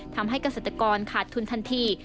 ทำให้เกษตรกรขาดทุนทันที